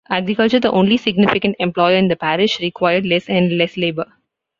Agriculture, the only significant employer in the parish, required less and less labour.